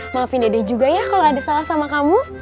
maafin dede juga ya kalau ada salah sama kamu